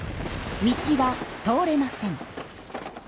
道は通れません。